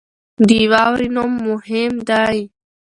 د واورې نوم مهم دی.